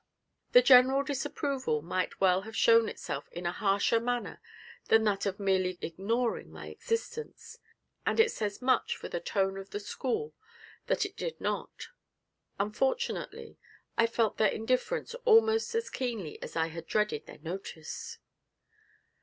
The general disapproval might well have shown itself in a harsher manner than that of merely ignoring my existence and it says much for the tone of the school that it did not; unfortunately, I felt their indifference almost as keenly as I had dreaded their notice.